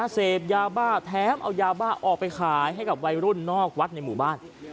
เสพยาบ้าแถมเอายาบ้าออกไปขายให้กับวัยรุ่นนอกวัดในหมู่บ้าน